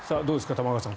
玉川さん